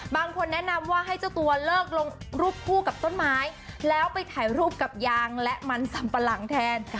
บางคนแนะนำว่าให้เจ้าตัวเลิกลงรูปคู่กับต้นไม้แล้วไปถ่ายรูปกับยางและมันสัมปะหลังแทน